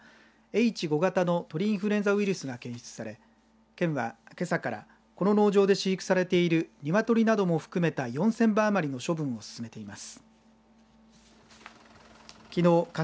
Ｈ５型の鳥インフルエンザが検出され県はけさから、この農場で飼育されている鶏などを含めた４０００羽余りの処分を進めています。